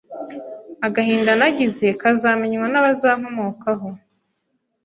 agahinda nagize kazamenywa n’abazankomokaho